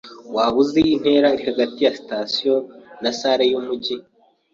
Waba uzi intera iri hagati ya sitasiyo na salle yumujyi?